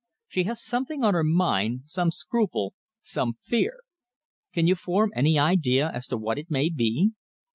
She has something on her mind, some scruple, some fear. Can you form any idea as to what it may be?"